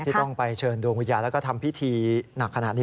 ที่ต้องไปเชิญดวงวิญญาณแล้วก็ทำพิธีหนักขนาดนี้